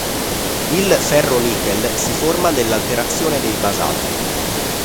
Il ferro-nichel si forma nell'alterazione dei basalti.